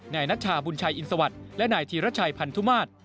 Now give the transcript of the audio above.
นายนัชชาบุญชัยอินสวัสดิ์และนายธีรชัยพันธุมาตร